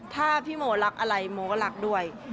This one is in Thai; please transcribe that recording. ถ้าพี่โมรักอะไรโมก็รักด้วย